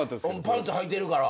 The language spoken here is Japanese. パンツはいてるから？